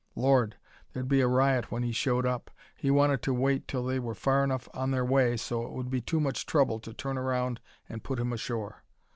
Lord, there'd be a riot when he showed up! He wanted to wait till they were far enough on their way so it would be too much trouble to turn around and put him ashore.